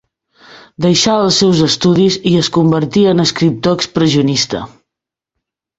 Deixà els seus estudis i es convertí en escriptor expressionista.